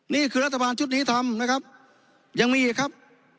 นี่คือรัฐบาลชุดนี้ทำนะครับยังมีอีกครับ